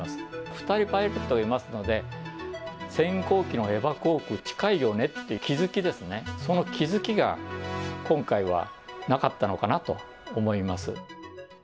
２人パイロットいますので、先行機のエバー航空、近いよね？って気付きですね、その気付きが今回はなかったのかなと思います。